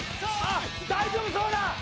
大丈夫そうだ。